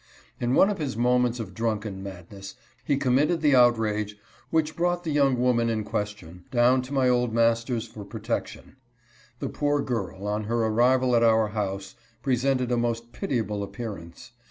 In one of his moments of drunken madness he committed the outrage which brought the young woman in question down to my old master's for protection. The poor girl, on her arrival at our house, presented a most pitiable appearance.